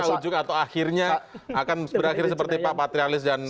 maksudnya ujung atau akhirnya akan berakhir seperti pak patrialis dan pak akhil